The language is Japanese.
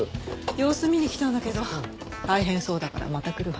様子見に来たんだけど大変そうだからまた来るわ。